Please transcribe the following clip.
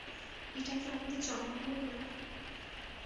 এটা কী আমাদের জন্মভূমি নয়?